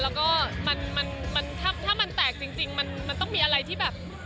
แล้วก็มันถ้ามันแตกจริงมันต้องมีอะไรที่แบบ